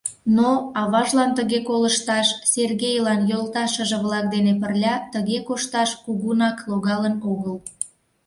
Но... аважлан тыге колышташ, Сергейлан йолташыже-влак дене пырля тыге кошташ кугунак логалын огыл.